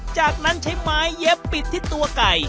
จากนั้นใช้ไม้เย็บปิดที่ตัวไก่